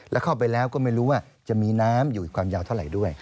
แล้วเข้าไปแล้วก็ไม่รู้ว่าจะมีน้ำอยู่ความยาวเท่าไหร่ด้วย